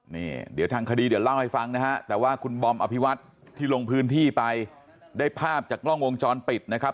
นี่เดี๋ยวทางคดีเดี๋ยวเล่าให้ฟังนะฮะแต่ว่าคุณบอมอภิวัตที่ลงพื้นที่ไปได้ภาพจากกล้องวงจรปิดนะครับ